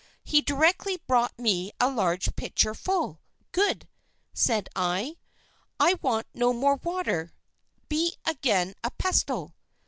He directly brought me a large pitcher full. 'Good,' said I, 'I want no more water; be again a pestle!'